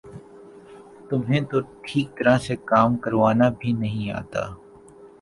تمہیں تو ٹھیک طرح سے کام کروانا بھی نہیں آتا